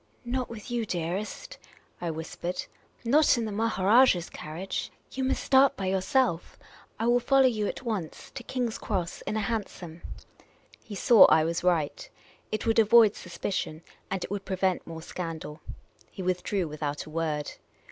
" Not with you, dearest," I whisoered. " Not in the Maharajah's carriage. You must start by The Oriental Attendant 30 ^ yourself. I will follow you at once, to King's Cross, in a hansom." He saw I was right. It would avoid suspicion, and it would prevent more scandal. He withdrew without a word.